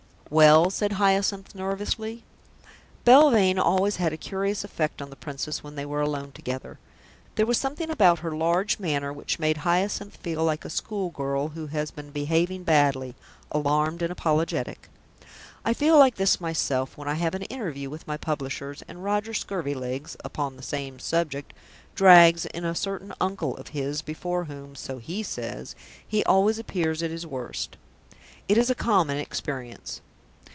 "Well?" said Hyacinth nervously. Belvane had always a curious effect on the Princess when they were alone together. There was something about her large manner which made Hyacinth feel like a schoolgirl who has been behaving badly: alarmed and apologetic. I feel like this myself when I have an interview with my publishers, and Roger Scurvilegs (upon the same subject) drags in a certain uncle of his before whom (so he says) he always appears at his worst. It is a common experience.